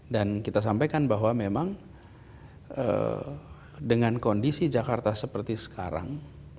dan kita sampaikan bahwa memang dengan kondisi jakarta seperti sekarang